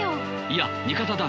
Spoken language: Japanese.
いや味方だ。